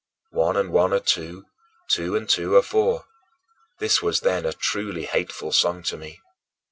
"One and one are two, two and two are four": this was then a truly hateful song to me.